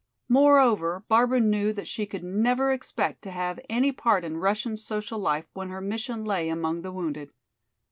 Moreover, Barbara knew that she could never expect to have any part in Russian social life when her mission lay among the wounded.